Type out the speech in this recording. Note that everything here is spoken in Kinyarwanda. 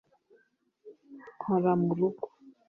nkora murugo